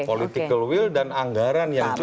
political will dan anggaran yang cukup